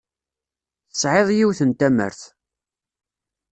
Tesɛiḍ yiwet n tamert.